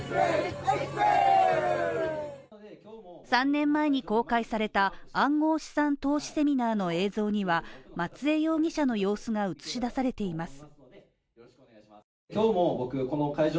３年前に公開された暗号資産投資セミナーの映像には松江容疑者の様子が映し出されています。